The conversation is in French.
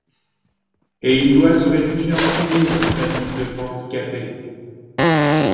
Et il doit se réfugier en Crimée, dans sa ville de Panticapée.